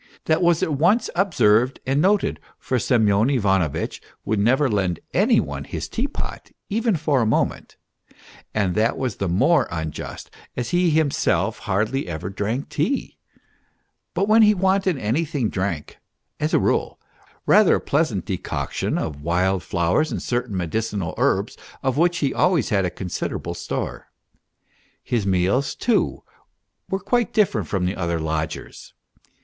That was at once observed and noted, for Semyon Ivanovitch would never lend any one his teapot, even for a moment ; and that was the more unjust as he himself hardly ever drank tea, but when he wanted anything drank, as a rule, rather a pleasant decoction of wild flowers and certain medicinal herbs, of which he always had a considerable store. His meals, too, were quite different from the other lodgers'.